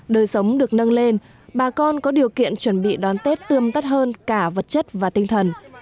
đời sống được nâng lên bà con có điều kiện chuẩn bị đón tết tươi tắt hơn cả vật chất và tinh thần